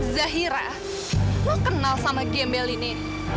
zahira lo kenal sama gembel ini